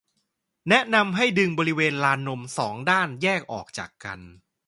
แนะนำให้ดึงบริเวณลานนม สอง ด้านแยกออกจากกัน